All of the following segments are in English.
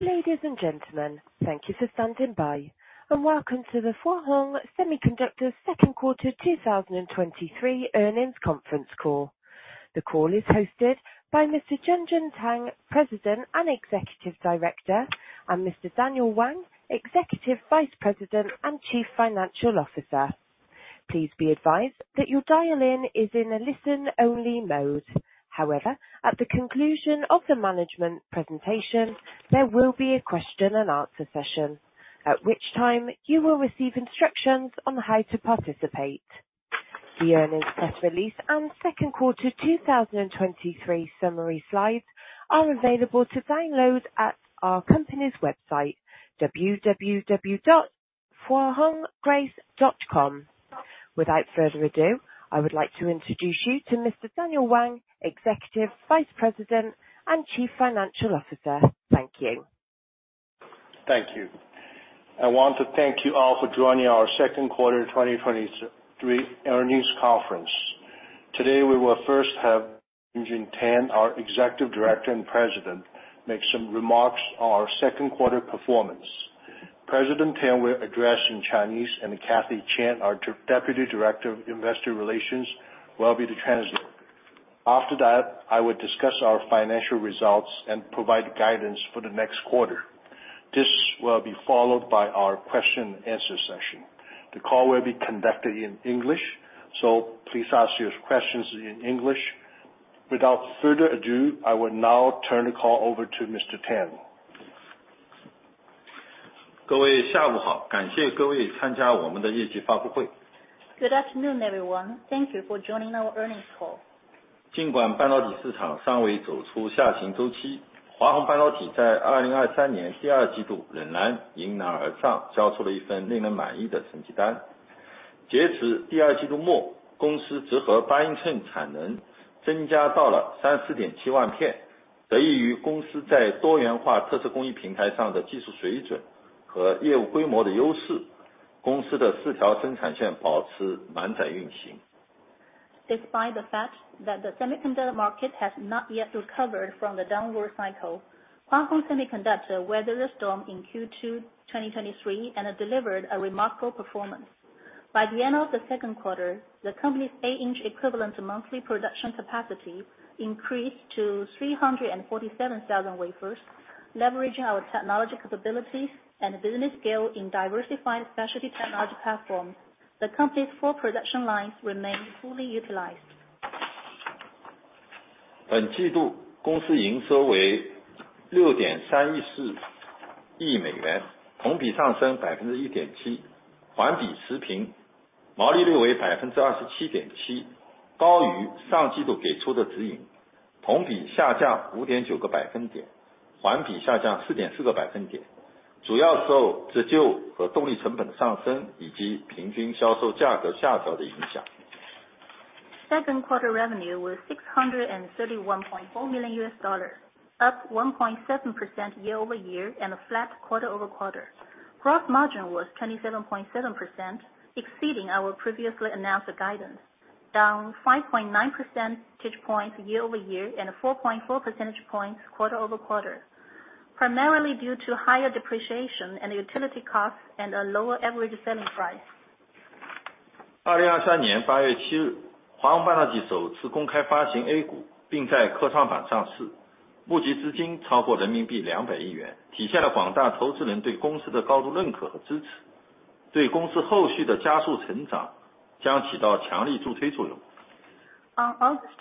Ladies and gentlemen, thank you for standing by, and welcome to the Hua Hong Semiconductor second quarter 2023 earnings conference call. The call is hosted by Mr. Junjun Tang, President and Executive Director, and Mr. Daniel Wang, Executive Vice President and Chief Financial Officer. Please be advised that your dial-in is in a listen-only mode. However, at the conclusion of the management presentation, there will be a question and answer session, at which time you will receive instructions on how to participate. The earnings press release and second quarter 2023 summary slides are available to download at our company's website, www.huahonggrace.com. Without further ado, I would like to introduce you to Mr. Daniel Wang, Executive Vice President and Chief Financial Officer. Thank you. Thank you. I want to thank you all for joining our second quarter 2023 earnings conference. Today, we will first have Junjun Tang, our Executive Director and President, make some remarks on our second quarter performance. President Tang will address in Chinese, and Cathy Chan, our Deputy Director of Investor Relations, will be the translator. After that, I will discuss our financial results and provide guidance for the next quarter. This will be followed by our question and answer session. The call will be conducted in English, so please ask your questions in English. Without further ado, I will now turn the call over to Mr. Tang. Good afternoon, everyone. Thank you for joining our earnings call. Despite the fact that the semiconductor market has not yet recovered from the downward cycle, Hua Hong Semiconductor weathered the storm in Q2 2023, delivered a remarkable performance. By the end of the second quarter, the company's 8-in equivalent monthly production capacity increased to 347,000 wafers. Leveraging our technology capabilities and business scale in diversified specialty technology platforms, the company's four production lines remained fully utilized. Second quarter revenue was $631.4 million, up 1.7% year-over-year, flat quarter-over-quarter. Gross margin was 27.7%, exceeding our previously announced guidance, down 5.9 percentage points year-over-year, 4.4 percentage points quarter-over-quarter. Primarily due to higher depreciation and utility costs and a lower average selling price. On August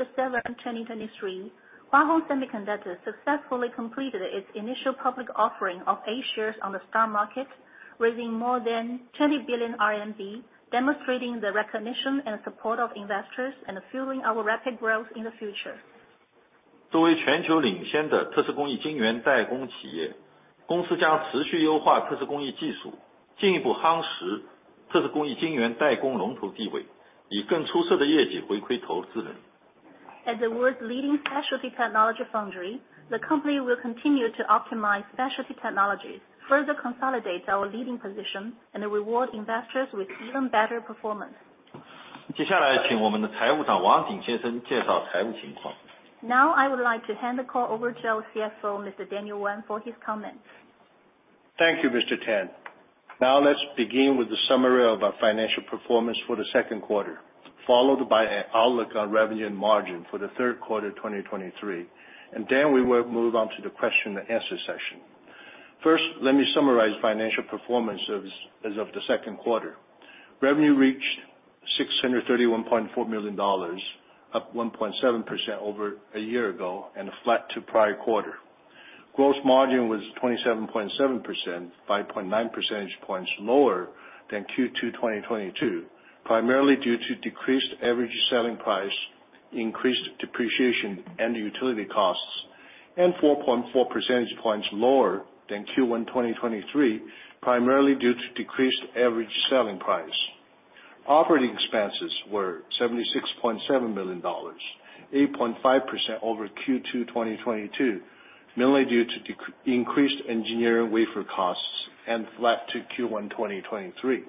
7, 2023, Hua Hong Semiconductor successfully completed its initial public offering of A-shares on the stock market, raising more than 20 billion RMB, demonstrating the recognition and support of investors and fueling our rapid growth in the future. As the world's leading specialty technology foundry, the company will continue to optimize specialty technologies, further consolidate our leading position, and reward investors with even better performance. I would like to hand the call over to our CFO, Mr. Daniel Wang, for his comments. Thank you, Mr. Tang. Let's begin with the summary of our financial performance for the second quarter, followed by an outlook on revenue and margin for the third quarter, 2023, and then we will move on to the question and answer session. First, let me summarize financial performance as of the second quarter. Revenue reached $631.4 million, up 1.7% over a year ago, and flat to prior quarter. Gross margin was 27.7%, 5.9 percentage points lower than Q2 2022, primarily due to decreased average selling price, increased depreciation and utility costs, and 4.4 percentage points lower than Q1 2023, primarily due to decreased average selling price. Operating expenses were $76.7 million, 8.5% over Q2 2022, mainly due to increased engineering wafer costs and flat to Q1 2023.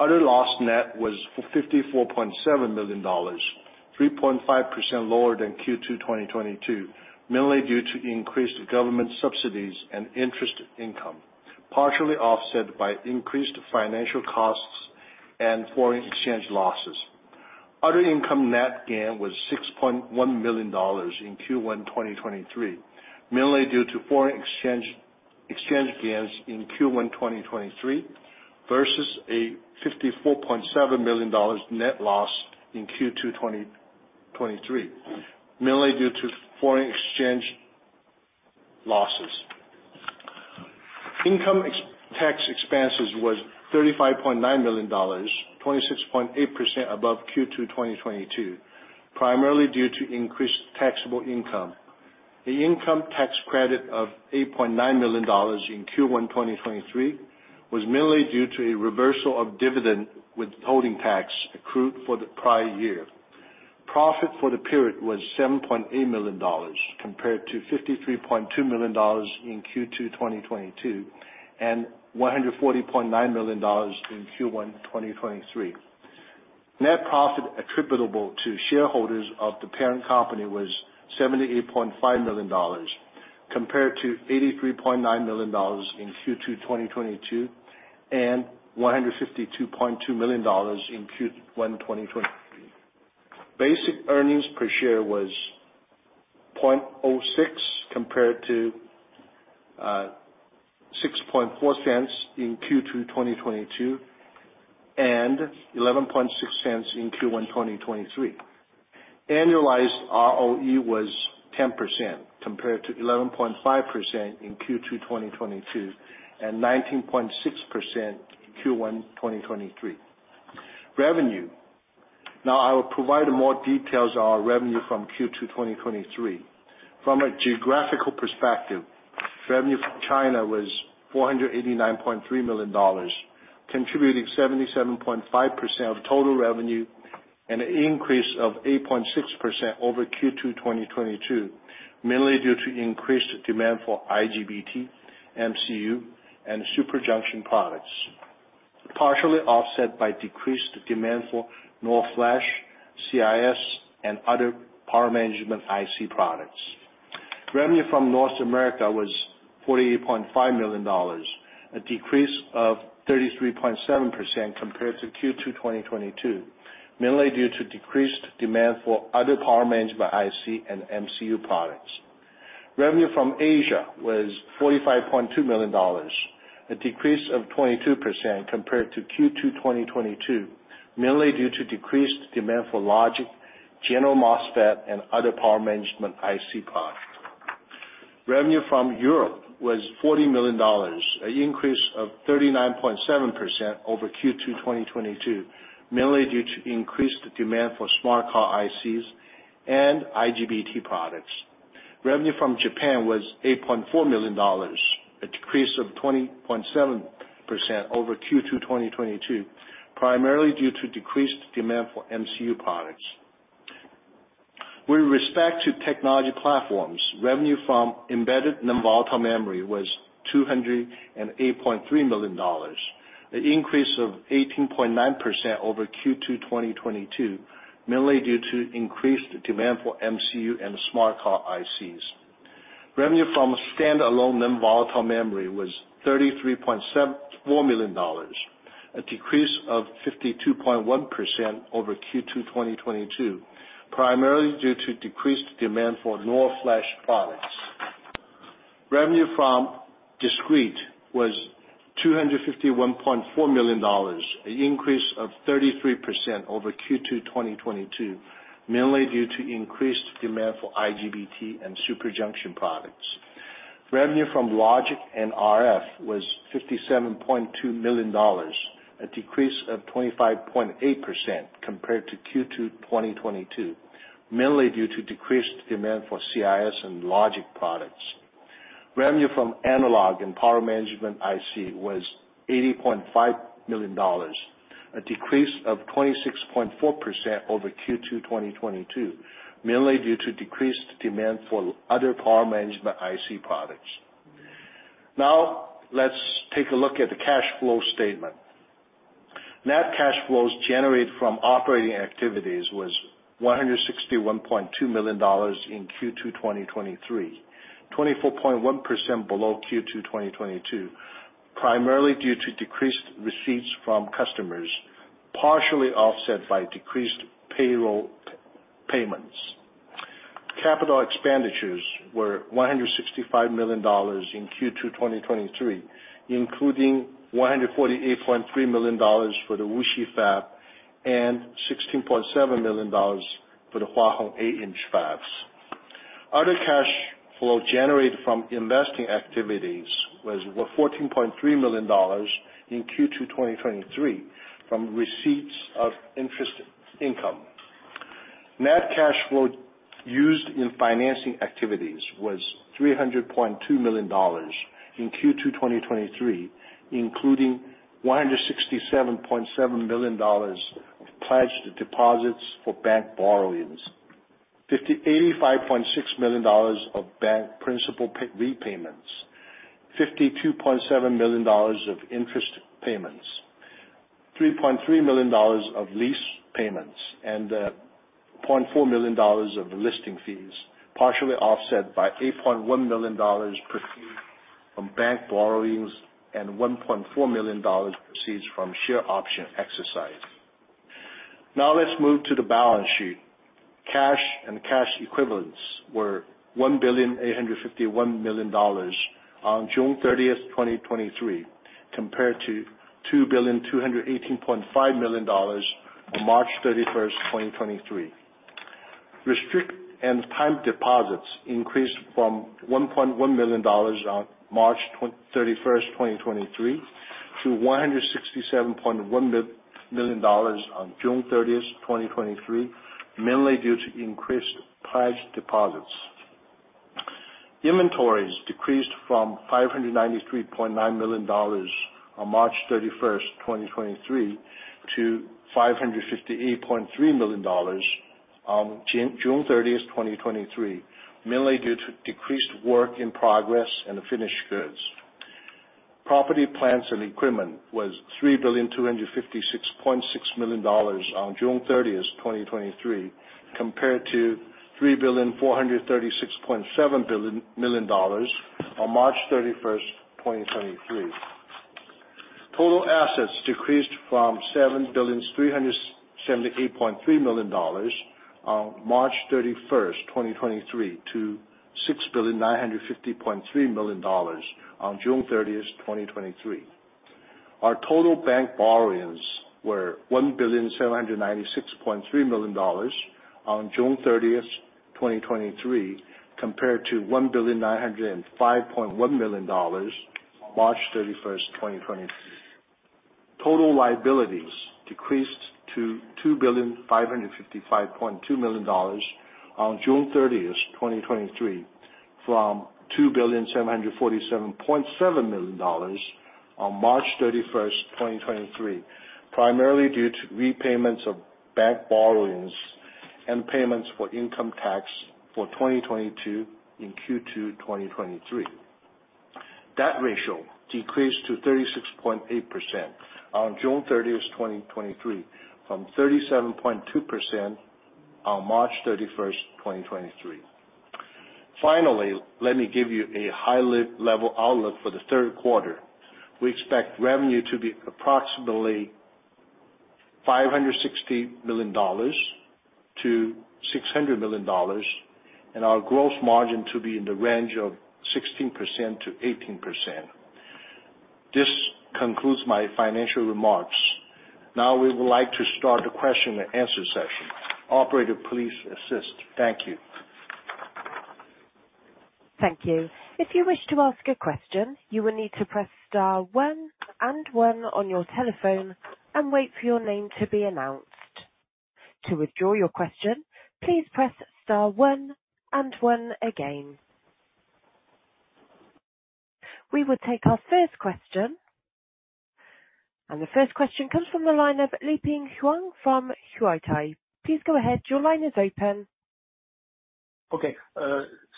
Other loss net was for $54.7 million, 3.5% lower than Q2 2022, mainly due to increased government subsidies and interest income, partially offset by increased financial costs and foreign exchange losses. Other income net gain was $6.1 million in Q1 2023, mainly due to foreign exchange, exchange gains in Q1 2023, versus a $54.7 million net loss in Q2 2023, mainly due to foreign exchange losses. Income tax expenses was $35.9 million, 26.8% above Q2 2022, primarily due to increased taxable income. The income tax credit of $8.9 million in Q1 2023, was mainly due to a reversal of dividend withholding tax accrued for the prior year. Profit for the period was $7.8 million, compared to $53.2 million in Q2 2022, and $140.9 million in Q1 2023. Net profit attributable to shareholders of the parent company was $78.5 million, compared to $83.9 million in Q2 2022, and $152.2 million in Q1 2023. Basic earnings per share was $0.06, compared to $0.064 in Q2 2022, and $0.116 in Q1 2023. Annualized ROE was 10%, compared to 11.5% in Q2 2022, and 19.6% in Q1 2023. Revenue. I will provide more details on our revenue from Q2 2023. From a geographical perspective, revenue from China was $489.3 million, contributing 77.5% of total revenue, and an increase of 8.6% over Q2 2022, mainly due to increased demand for IGBT, MCU, and superjunction products. Partially offset by decreased demand for NOR flash, CIS, and other Power Management IC products. Revenue from North America was $48.5 million, a decrease of 33.7% compared to Q2 2022, mainly due to decreased demand for other Power Management IC and MCU products. Revenue from Asia was $45.2 million, a decrease of 22% compared to Q2 2022, mainly due to decreased demand for logic, general MOSFET, and other Power Management IC products. Revenue from Europe was $40 million, an increase of 39.7% over Q2 2022, mainly due to increased demand for smart car ICs and IGBT products. Revenue from Japan was $8.4 million, a decrease of 20.7% over Q2 2022, primarily due to decreased demand for MCU products. With respect to technology platforms, revenue from Embedded Non-Volatile Memory was $208.3 million, an increase of 18.9% over Q2 2022, mainly due to increased demand for MCU and smart car ICs. Revenue from Standalone Non-Volatile Memory was $33.74 million, a decrease of 52.1% over Q2 2022, primarily due to decreased demand for NOR flash products. Revenue from discrete was $251.4 million, an increase of 33% over Q2 2022, mainly due to increased demand for IGBT and superjunction products. Revenue from Logic and RF was $57.2 million, a decrease of 25.8% compared to Q2 2022, mainly due to decreased demand for CIS and logic products. Revenue from Analog and Power Management IC was $80.5 million, a decrease of 26.4% over Q2 2022, mainly due to decreased demand for other Power Management IC products. Let's take a look at the cash flow statement. Net cash flows generated from operating activities was $161.2 million in Q2 2023, 24.1% below Q2 2022, primarily due to decreased receipts from customers, partially offset by decreased payroll payments. Capital expenditures were $165 million in Q2 2023, including $148.3 million for the Wuxi fab and $16.7 million for the Hua Hong 8-in fabs. Other cash flow generated from investing activities were $14.3 million in Q2 2023, from receipts of interest income. Net cash flow used in financing activities was $300.2 million in Q2 2023, including $167.7 million of pledged deposits for bank borrowings. $85.6 million of bank principal repayments, $52.7 million of interest payments, $3.3 million of lease payments, and $0.4 million of listing fees, partially offset by $8.1 million proceeds from bank borrowings and $1.4 million proceeds from share option exercise. Let's move to the balance sheet. Cash and cash equivalents were $1.851 million on June 30th, 2023, compared to $2,218.5 million on March 31st, 2023. Restrict and time deposits increased from $1.1 million on March 31st, 2023, to $167.1 million on June 30th, 2023, mainly due to increased priced deposits. Inventories decreased from $593.9 million on March 31st, 2023, to $558.3 million on June 30th, 2023, mainly due to decreased work in progress and finished goods. Property, plants, and equipment was $3,256.6 million on June 30, 2023, compared to $3,436.7 million on March 31st, 2023. Total assets decreased from $7,378.3 million on March 31st, 2023, to $6,950.3 million on June 30, 2023. Our total bank borrowings were $1,796.3 million on June 30th, 2023, compared to $1,905.1 million on March 31st, 2023. Total liabilities decreased to $2,555.2 million on June 30th, 2023, from $2,747.7 million on March 31st, 2023, primarily due to repayments of bank borrowings and payments for income tax for 2022 in Q2 2023. Debt ratio decreased to 36.8% on June 30th, 2023, from 37.2% on March 31st, 2023. Finally, let me give you a high-level outlook for the third quarter. We expect revenue to be approximately $560 million-$600 million, and our growth margin to be in the range of 16%-18%. This concludes my financial remarks. Now we would like to start the question and answer session. Operator, please assist. Thank you. Thank you. If you wish to ask a question, you will need to press star one and one on your telephone and wait for your name to be announced. To withdraw your question, please press star one and one again. We will take our first question. The first question comes from the line of Leping Huang from Huatai Securities. Please go ahead. Your line is open. Okay,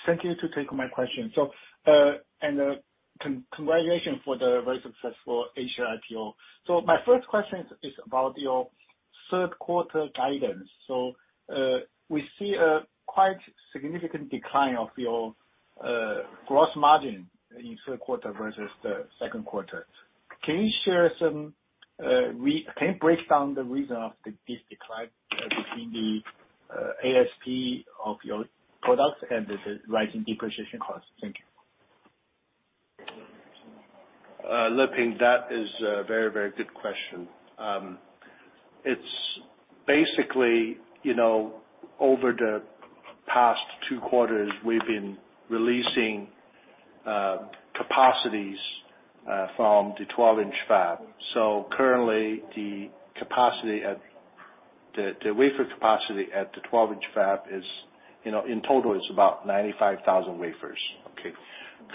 thank you for taking my question. And, congratulations for the very successful A-share IPO. My first question is about your third quarter guidance. We see a quite significant decline of your gross margin in third quarter versus the second quarter. Can you break down the reason of this decline between ASP of your products and the rising depreciation costs? Thank you. Leping, that is a very, very good question. It's basically, you know, over the past two quarters, we've been releasing capacities from the 12-in fab. Currently, the capacity at the wafer capacity at the 12-in fab is, you know, in total, it's about 95,000 wafers. Okay?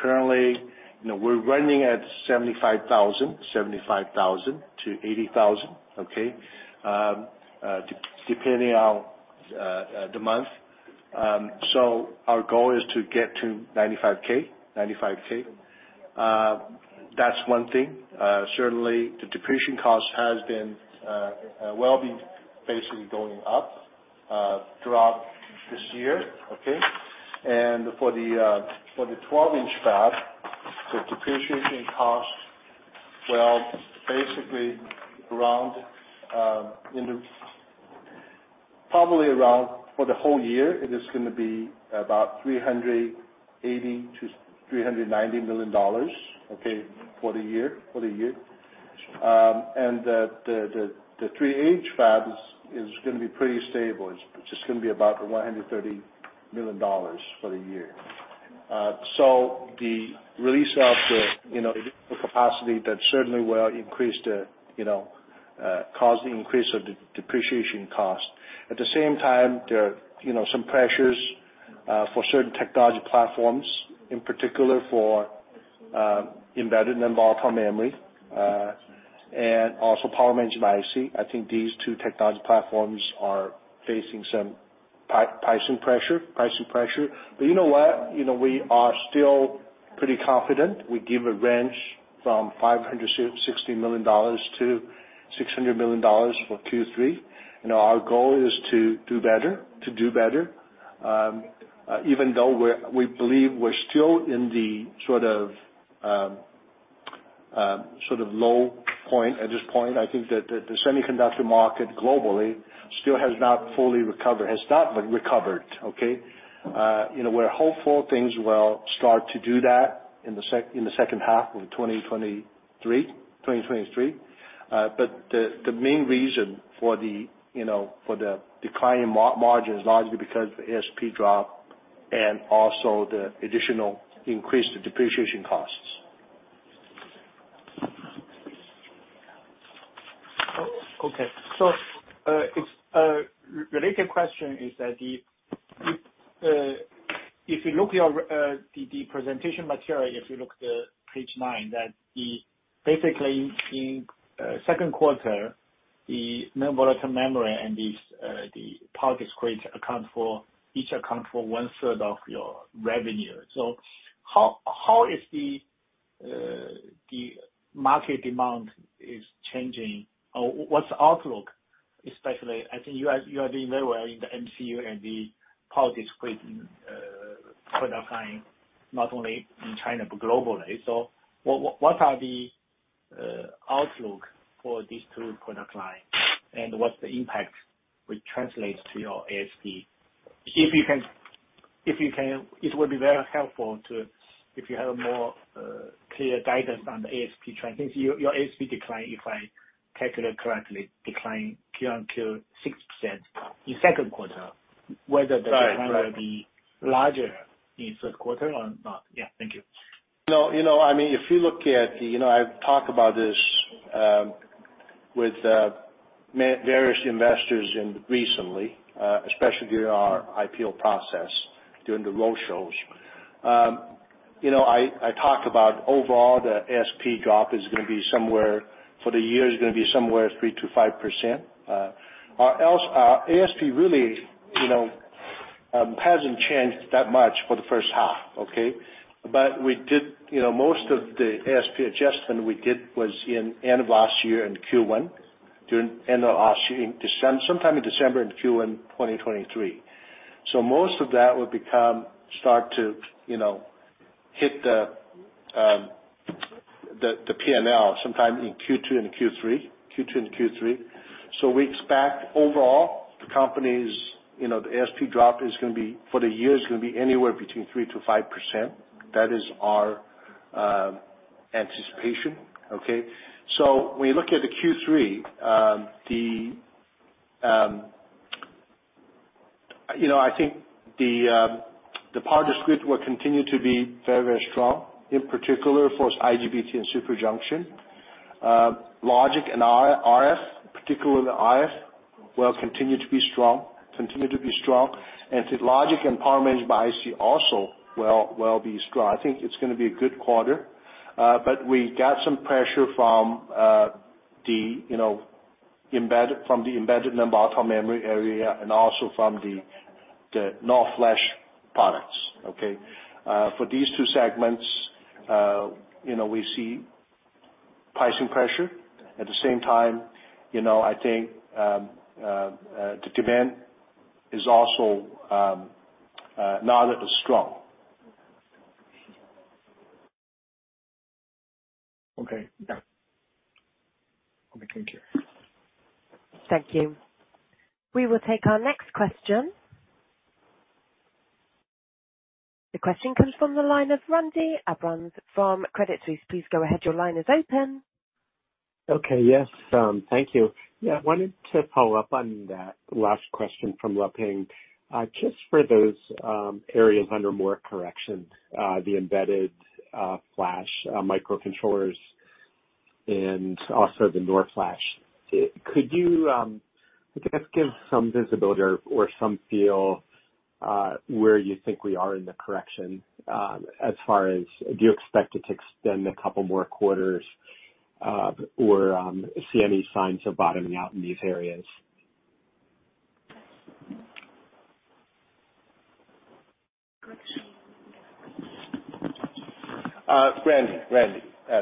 Currently, you know, we're running at 75,000, 75,000-80,000, okay? depending on the month. Our goal is to get to 95K. That's one thing. Certainly, the depreciation cost has been, well, being basically going up throughout this year, okay? For the 12-in fab, the depreciation cost, well, basically around, probably around for the whole year, it is gonna be about $380 million-$390 million, okay, for the year. The 8-in fabs is gonna be pretty stable. It's just gonna be about $130 million for the year. The release of the, you know, the capacity that certainly will increase the, you know, cause the increase of the depreciation cost. At the same time, there are, you know, some pressures for certain technology platforms, in particular for, Embedded Non-Volatile Memory, and also Power Management IC. I think these two technology platforms are facing some pricing pressure. You know what? You know, we are still pretty confident. We give a range from $560 million-$600 million for Q3. You know, our goal is to do better, even though we're we believe we're still in the sort of, sort of low point at this point. I think that the, the semiconductor market globally still has not been recovered, okay? You know, we're hopeful things will start to do that in the second in the second half of 2023. The main reason for the, you know, for the decline in margins is largely because of ASP drop and also the additional increase in the depreciation costs. Okay. It's related question is that the if you look your presentation material, if you look at the Page 9, that the basically in second quarter, the Non-Volatile Memory and these the power discrete each account for one third of your revenue. How, how is the market demand changing? What's the outlook, especially, I think you are, you are doing very well in the MCU and the power discrete product line, not only in China, but globally? What are the outlook for these two product lines? What's the impact, which translates to your ASP? If you can, it would be very helpful, if you have a more clear guidance on the ASP trend. I think your, your ASP decline, if I calculate correctly, declined Q1 to 6% in second quarter. Right. Whether the decline will be larger in third quarter or not? Yeah. Thank you. No, you know, I mean, if you look at, you know, I've talked about this with various investors in recently, especially during our IPO process, during the road shows. You know, I talked about overall, the ASP drop is gonna be somewhere, for the year is gonna be somewhere 3%-5%. Our ASP really, you know, hasn't changed that much for the first half, okay? We did, you know, most of the ASP adjustment we did was in end of last year in Q1, during end of last year, in December, sometime in December, in Q1, 2023. Most of that would become, start to, you know, hit the P&L sometime in Q2 and Q3, Q2 and Q3. We expect overall, the company's, the ASP drop is gonna be, for the year is gonna be anywhere between 3%-5%. That is our anticipation, okay? When you look at the Q3, I think the power discrete will continue to be very, very strong, in particular for IGBT and superjunction. Logic and RF, particularly the RF, will continue to be strong, continue to be strong. Logic and Power Management IC also will be strong. I think it's gonna be a good quarter. We got some pressure from the Embedded Non-Volatile Memory area and also from the NOR flash products, okay? For these two segments, we see pricing pressure. At the same time, you know, I think, the demand is also, not as strong. Okay. Yeah. Okay, thank you. Thank you. We will take our next question. The question comes from the line of Randy Abrams from Credit Suisse. Please go ahead. Your line is open. Okay. Yes, thank you. I wanted to follow up on that last question from Leping. Just for those areas under more correction, the Embedded flash, microcontrollers and also the NOR flash, could you, I guess, give some visibility or, or some feel, where you think we are in the correction, as far as do you expect it to extend a couple more quarters, or see any signs of bottoming out in these areas? Randy,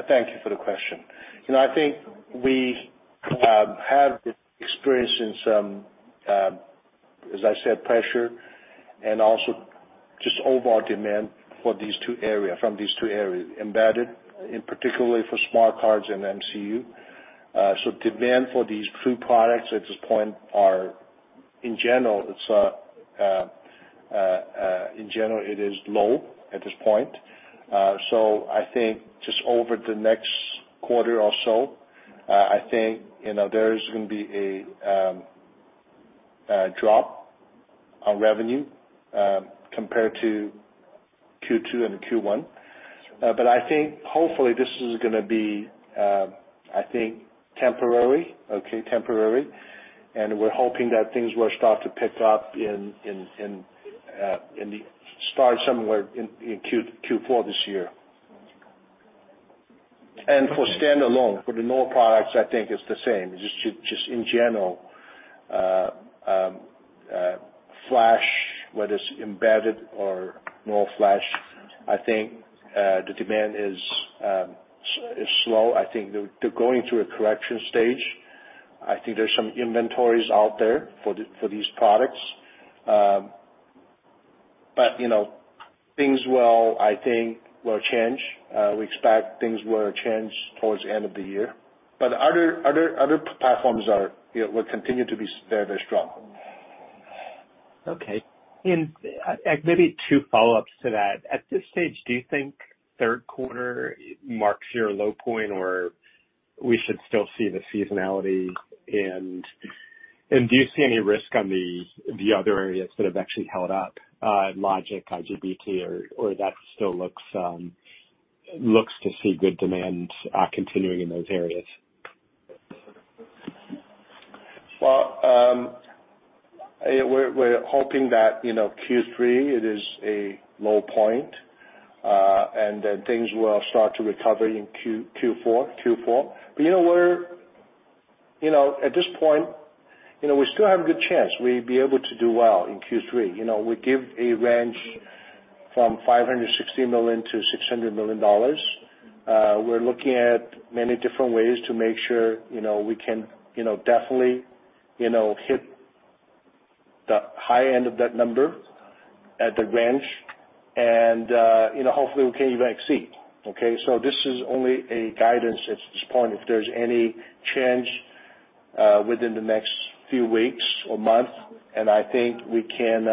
thank you for the question. You know, I think we have experienced some, as I said, pressure and also just overall demand for these two area, from these two areas, Embedded, and particularly for smart cards and MCU. Demand for these two products at this point are in general, it is low at this point. I think just over the next quarter or so, I think, you know, there is gonna be a drop on revenue, compared to- Q2 and Q1. I think hopefully this is gonna be, I think temporary, okay, temporary, and we're hoping that things will start to pick up in, in the start somewhere in Q4 this year. For standalone, for the NOR products, I think it's the same, just, just in general. Flash, whether it's Embedded or NOR flash, I think, the demand is slow. I think they're going through a correction stage. I think there's some inventories out there for these products. You know, things will, I think, will change. We expect things will change towards the end of the year, but other platforms are, you know, will continue to be very, very strong. Okay. Maybe two follow-ups to that. At this stage, do you think third quarter marks your low point, or we should still see the seasonality? Do you see any risk on the other areas that have actually held up, logic, IGBT, or that still looks, looks to see good demand continuing in those areas? Well, we're hoping that, you know, Q3, it is a low point, and then things will start to recover in Q4. You know, at this point, you know, we still have a good chance we'll be able to do well in Q3. You know, we give a range from $560 million-$600 million. We're looking at many different ways to make sure, you know, we can, you know, definitely, you know, hit the high end of that number at the range, and, you know, hopefully, we can even exceed, okay? This is only a guidance at this point. If there's any change within the next few weeks or month, and I think we can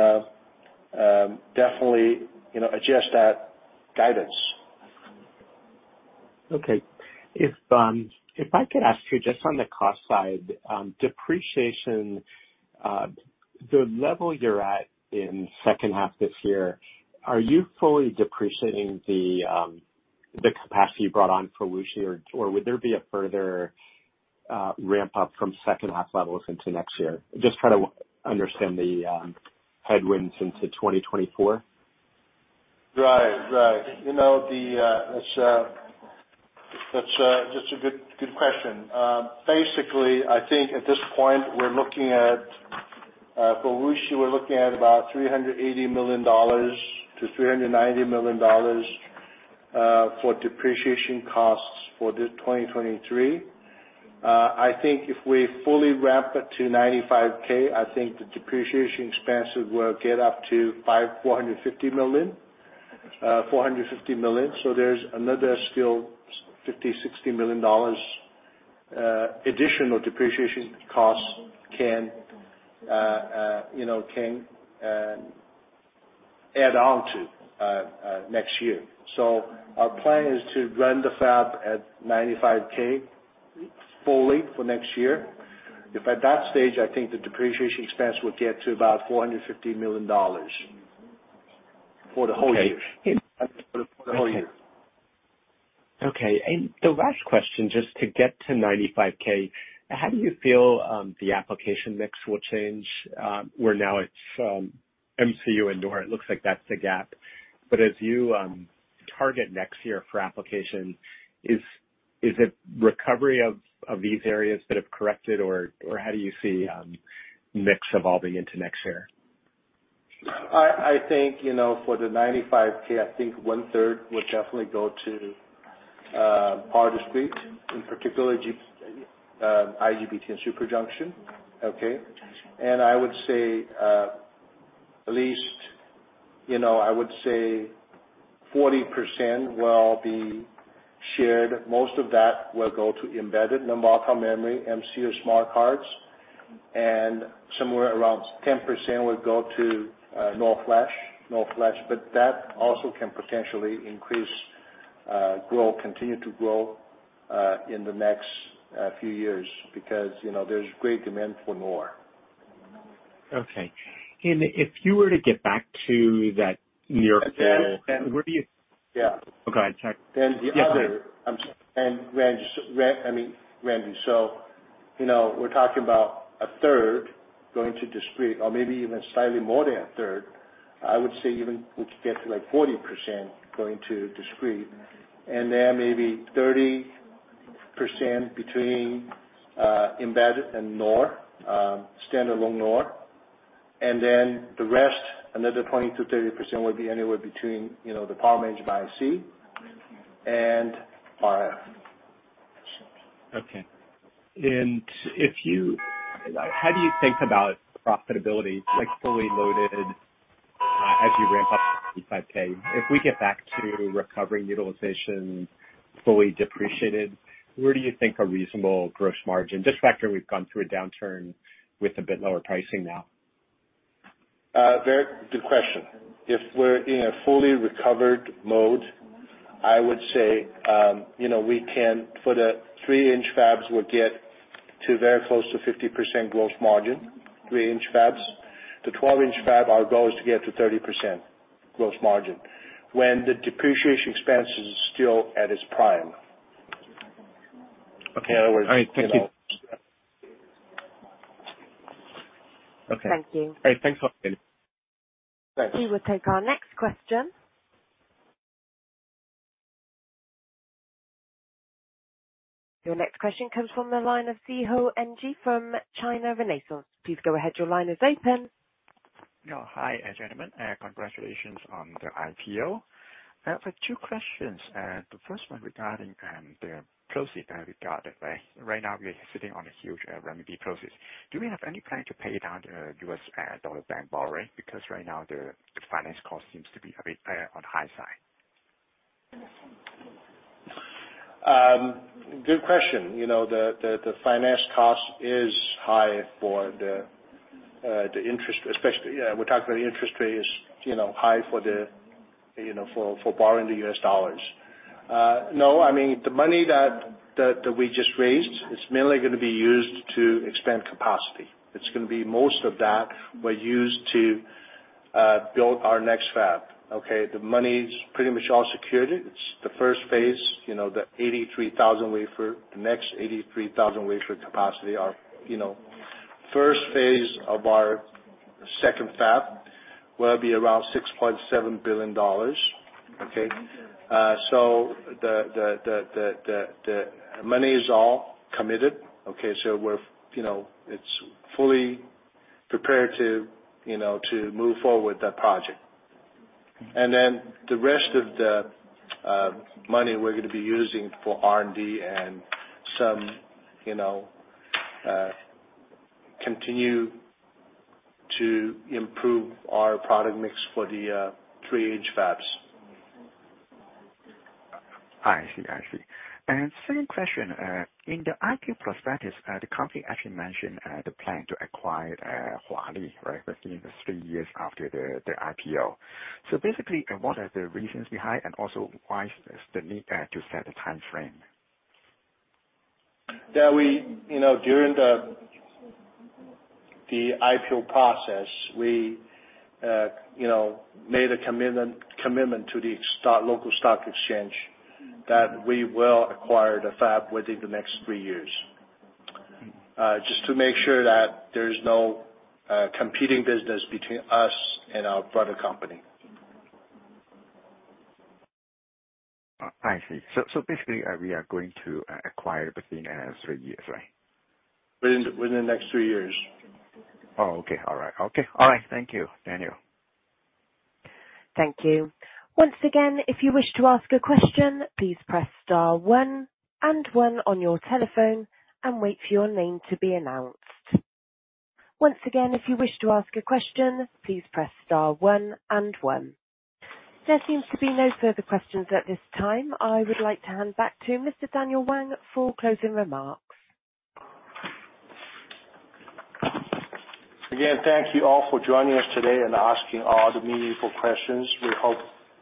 definitely, you know, adjust that guidance. Okay. If I could ask you just on the cost side, depreciation, the level you're at in second half this year, are you fully depreciating the capacity you brought on for Wuxi, or would there be a further ramp-up from second half levels into next year? Just trying to understand the headwinds into 2024. Right. You know, that's a, that's a good, good question. Basically, I think at this point, we're looking at for Wuxi, we're looking at about $380 million-$390 million for depreciation costs for this 2023. I think if we fully ramp up to 95K, I think the depreciation expense will get up to $450 million. There's another still $50 million-$60 million additional depreciation costs can, you know, can add on to next year. Our plan is to run the fab at 95K fully for next year. If at that stage, I think the depreciation expense will get to about $450 million for the whole year. Okay. For the whole year. Okay. The last question, just to get to 95K, how do you feel the application mix will change where now it's MCU and NOR? It looks like that's the gap. As you target next year for application, is it recovery of these areas that have corrected, or how do you see mix evolving into next year? I, I think, you know, for the 95K, I think one third will definitely go to power discrete, in particular, IGBT and superjunction, okay? I would say, at least, you know, I would say 40% will be shared. Most of that will go to Embedded Non-Volatile Memory, MCU smart cards, and somewhere around 10% will go to NOR flash but that also can potentially increase, grow, continue to grow in the next few years, because, you know, there's great demand for more. Okay. If you were to get back to that near term- Yeah. Where do you- Yeah. Okay. Then the other- Yeah, go ahead. I'm sorry. Randy, I mean, Randy, so, you know, we're talking about a third going to discrete or maybe even slightly more than a third. I would say even we could get to, like, 40% going to discrete, and then maybe 30% between Embedded and NOR, standalone NOR. The rest, another 20%-30%, would be anywhere between, you know, the Power Management IC and RF. Okay. How do you think about profitability, like, fully loaded, as you ramp up to 95K? If we get back to recovering utilization, fully depreciated, where do you think a reasonable gross margin? Just factor we've gone through a downturn with a bit lower pricing now. Very good question. If we're in a fully recovered mode. I would say, you know, we can, for the 3-in fabs, we'll get to very close to 50% gross margin, 3-in fabs. The 12-in fab, our goal is to get to 30% gross margin when the depreciation expense is still at its prime. Okay. All right. Thank you. You know? Okay. Thank you. All right. Thanks a lot. Thanks. We will take our next question. Your next question comes from the line of Szeho Ng from China Renaissance. Please go ahead. Your line is open. Yeah, hi, gentlemen. Congratulations on the IPO. I have two questions. The first one regarding the proceed that regard, right now, we're sitting on a huge RMB proceeds. Do we have any plan to pay down the US dollar bank borrowing? Because right now, the finance cost seems to be a bit on the high side. Good question. You know, the finance cost is high for the interest, especially. Yeah, we're talking about the interest rate is, you know, high for the, you know, for borrowing the US dollars. No, I mean, the money that we just raised, it's mainly gonna be used to expand capacity. It's gonna be most of that will use to build our next fab, okay? The money is pretty much all secured. It's the first phase, you know, the 83,000 wafer, the next 83,000 wafer capacity are, you know, first phase of our second fab will be around $6.7 billion. Okay? The money is all committed, okay? We're, you know, it's fully prepared to, you know, to move forward with that project. The rest of the money we're gonna be using for R&D and some, you know, continue to improve our product mix for the 8-inch fabs. I see. Second question, in the IPO prospectus, the company actually mentioned the plan to acquire Huali, right, within the three years after the IPO. Basically, what are the reasons behind and also why is the need to set a timeframe? That we, you know, during the IPO process, we, you know, made a commitment to the local stock exchange, that we will acquire the fab within the next three years. Just to make sure that there is no competing business between us and our brother company. I see. So basically, we are going to acquire within, three years, right? Within the next three years. Oh, okay. All right. Okay. All right. Thank you, Daniel. Thank you. Once again, if you wish to ask a question, please press star one and one on your telephone and wait for your name to be announced. Once again, if you wish to ask a question, please press star one and one. There seems to be no further questions at this time. I would like to hand back to Mr. Daniel Wang for closing remarks. Again, thank you all for joining us today and asking all the meaningful questions. We hope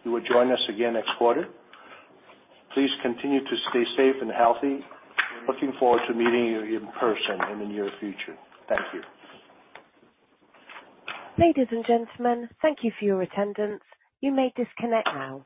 you will join us again next quarter. Please continue to stay safe and healthy. Looking forward to meeting you in person in the near future. Thank you. Ladies and gentlemen, thank you for your attendance. You may disconnect now.